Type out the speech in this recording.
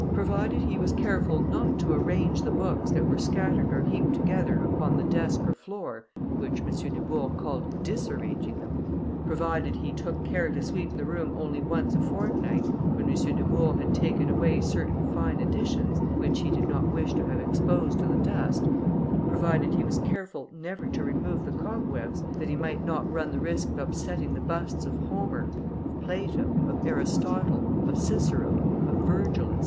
Provided he was careful not to arrange the books that were scattered or heaped together upon the desk or floor, which M. Dubourg called disarranging them; provided he took care to sweep the room only once a fortnight, when M. Dubourg had taken away certain fine editions, which he did not wish to have exposed to the dust; provided he was careful never to remove the cobwebs, that he might not run the risk of upsetting the busts of Homer, of Plato, of Aristotle, of Cicero, of Virgil, &c.